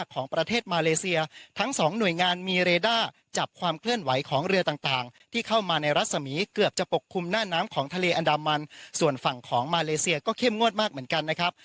ของประเทศมาเลเซียทั้งสองหน่วยงานมีเรด้าจับความเคลื่อนไหวของเรือต่างที่เข้ามาในรัศมีร์เกือบจะปกคลุมหน้าน้ำของทะเลอันดามันส่วนฝั่งของมาเลเซียก็เข้มงวดมากเหมือนกันนะครับ